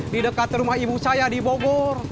di dekat rumah ibu saya di bogor